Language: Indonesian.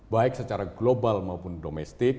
baik secara global maupun domestik